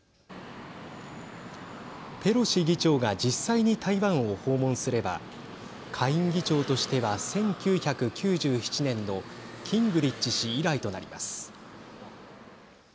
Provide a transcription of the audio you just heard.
ペロシ議長が実際に台湾を訪問すれば下院議長としては１９９７年のギングリッチ氏以来となります。